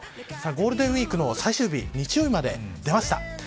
ゴールデンウイークの最終日日曜日まで出ました。